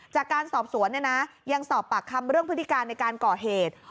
จากการสอบสวนเนี่ยนะยังสอบปากคำเรื่องพฤติการในการก่อเหตุ